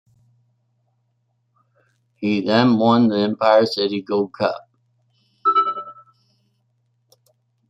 He then won the Empire City Gold Cup.